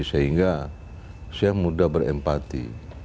sehingga saya mudah berempati